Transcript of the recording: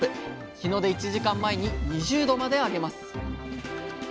日の出１時間前に２０℃まで上げます。